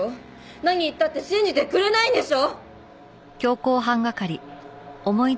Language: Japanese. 何言ったって信じてくれないんでしょ！？